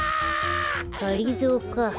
がりぞーか。